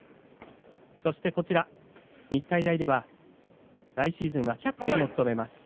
そして日体大では来シーズンはキャプテンを務めます。